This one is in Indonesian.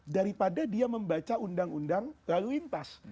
daripada dia membaca undang undang lalu lintas